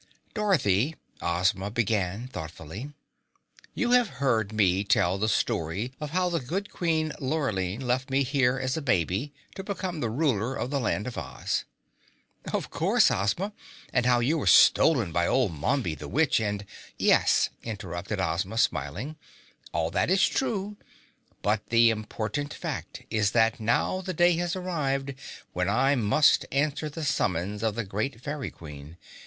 "Dorothy," Ozma began, thoughtfully, "you have heard me tell the story of how the good Queen Lurline left me here as a baby to become the Ruler of the Land of Oz." "Of course, Ozma, and how you were stolen by old Mombi, the witch, and " "Yes," interrupted Ozma, smiling, "all that is true, but the important fact is that now the day has arrived when I must answer the summons of the great Fairy Queen.